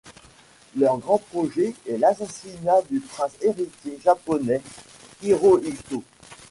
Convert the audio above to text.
Leur grand projet est l’assassinat du prince héritier japonais, Hirohito.